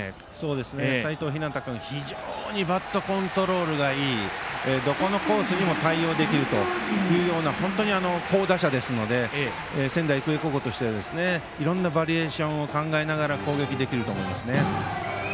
齋藤陽君は非常にバットコントロールがいいどこのコースにも対応できる好打者ですので仙台育英高校としてはいろんなバリエーションを考えながら攻撃できると思います。